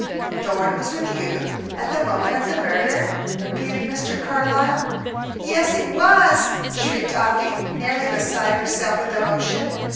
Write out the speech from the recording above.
"Thorn was with you at the moment of the murder?" repeated Mr. Carlyle. "Yes, he was," shrieked Afy, nearly beside herself with emotion.